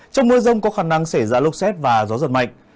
trong mưa rông có khả năng xảy ra lốc xét và gió giật mạnh